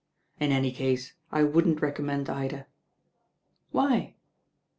In any case I wouldn't recommend ••Why?"